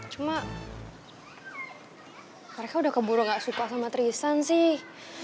cuma mereka udah keburu gak suka sama trisan sih